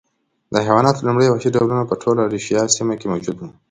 د حیواناتو لومړي وحشي ډولونه په ټوله ایرویشیا سیمه کې موجود و